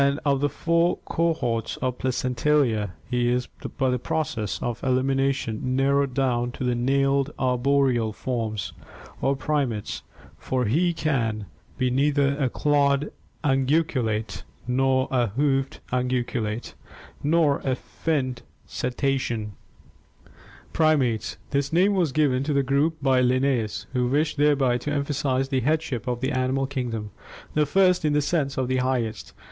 And of the four cohorts of Placentalia he is by a process of elimination narrowed down to the nailed arboreal forms, or Primates, for he can 641 642 ORGANIC EVOLUTION be neither a clawed unguiculate, nor a hoofed ungulate, nor a finned cetacean. PRIMATES This name was given to the group by Linnaeus, who wished thereby to emphasize the headship of the animal kingdom, the first in the sense of the highest.